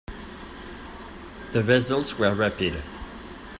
The results were rapid.